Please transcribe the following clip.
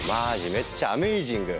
めっちゃアメイジング！